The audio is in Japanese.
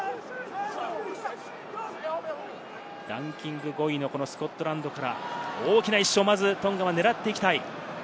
ランキング５位のスコットランドから大きな１勝をまずトンガは狙っていきたい。